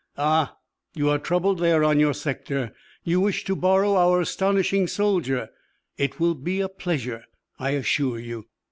"Ah? You are troubled there on your sector? You wish to borrow our astonishing soldier? It will be a pleasure, I assure you."